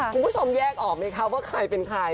คุณผู้ชมแยกออกไหมคะว่าใครเป็นใคร